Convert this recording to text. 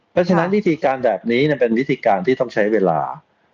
เพราะฉะนั้นวิธีการแบบนี้เป็นวิธีการที่ต้องใช้เวลา